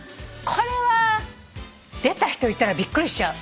これは出た人いたらびっくりしちゃう。